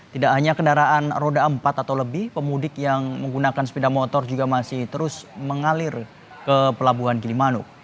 tidak hanya kendaraan roda empat atau lebih pemudik yang menggunakan sepeda motor juga masih terus mengalir ke pelabuhan gilimanuk